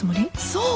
そう！